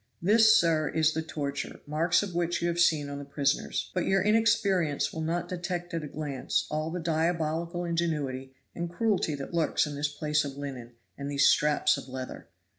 This, sir, is the torture, marks of which you have seen on the prisoners; but your inexperience will not detect at a glance all the diabolical ingenuity and cruelty that lurks in this piece of linen and these straps of leather.